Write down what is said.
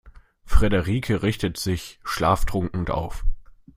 Friederike richtete sich schlaftrunken auf.